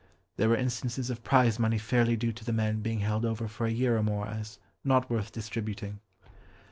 There were instances of prize money fairly due to the men being held over for a year or more as "not worth distributing."